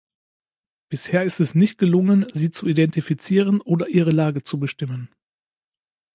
Bisher ist es nicht gelungen, sie zu identifizieren oder ihre Lage zu bestimmen.